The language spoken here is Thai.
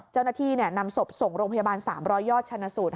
เจ้าหน้าที่นำศพส่งโรงพยาบาล๓๐๐ยอดชนะสูตร